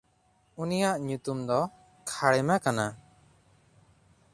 ᱩᱱᱤᱭᱟᱜ ᱧᱩᱛᱩᱢ ᱫᱚ ᱠᱷᱟᱲᱮᱢᱟ ᱠᱟᱱᱟ᱾